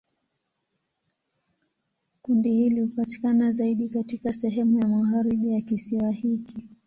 Kundi hili hupatikana zaidi katika sehemu ya magharibi ya kisiwa hiki.